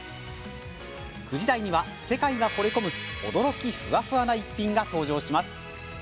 ９時台には、世界がほれ込む驚きふわふわな逸品が登場します。